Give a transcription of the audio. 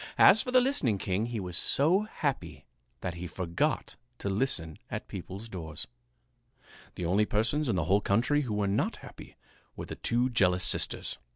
As for the listening king, he was so happy that he forgot to listen at people's doors. The only persons in the whole country who were not happy were the two jealous sisters.